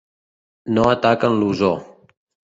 No ataquen l'ozó.